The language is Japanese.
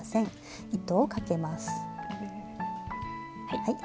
はい。